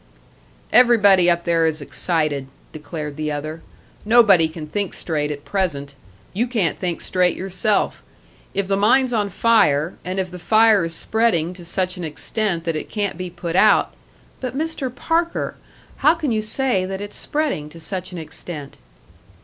"Everybody up there is excited," declared the other. "Nobody can think straight at present you can't think straight yourself. If the mine's on fire, and if the fire is spreading to such an extent that it can't be put out " "But, Mr. Parker, how can you say that it's spreading to such an extent?"